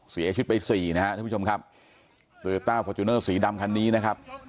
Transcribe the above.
เสียชิดไป๔นะครับท่านผู้ชมครับตือต้าฟอร์จูเนอร์สีดำคันนี้นะครับ